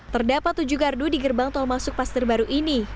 terdapat tujuh gardu di gerbang tol masuk paster baru ini